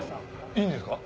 いいんですか？